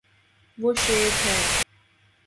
وہ شیر ہے